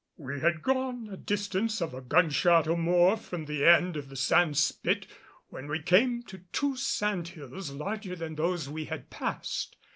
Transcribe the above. We had gone a distance of a gunshot or more from the end of the sand spit when we came to two sand hills larger than those we had passed.